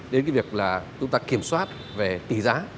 đến việc chúng ta kiểm soát về tỷ giá